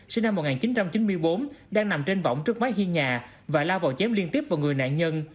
sinh năm một nghìn chín trăm chín mươi bốn đang nằm trên vỏng trước mái hiên nhà và la vào chém liên tiếp vào người nạn nhân